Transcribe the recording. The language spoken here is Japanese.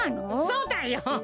そうだよ。